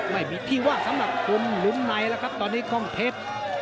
ไม่มีที่ว่าสำหรับคุณหลุมในแล้วครับตอนนี้กล้องเพชร